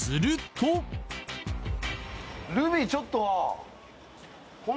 ルビーちょっとこん